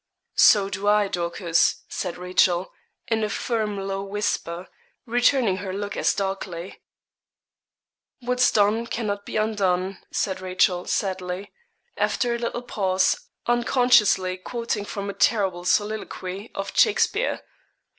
'So do I, Dorcas,' said Rachel, in a firm low whisper, returning her look as darkly. 'What's done cannot be undone,' said Rachel, sadly, after a little pause, unconsciously quoting from a terrible soliloquy of Shakespeare.